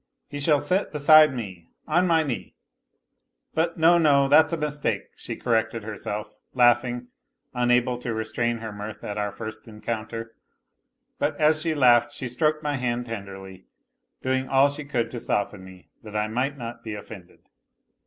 He shall sit beside me, on my knee ... but no, no ! That's a mistake !..." she corrected herself, laughing, unable to restrain her mirth at our first encounter. But as she laughed she stroked my hand tenderly, doing all she could to soften me, that I might not be offended.